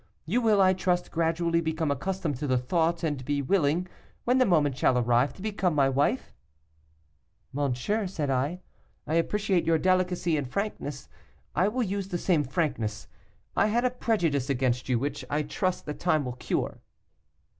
You will, I trust, gradually become accustomed to the thought, and be willing, when the moment shall arrive, to become my wife.' 'Monsieur,' said I, 'I appreciate your delicacy and frankness. I will use the same frankness. I had a prejudice against you, which I trust that time will cure.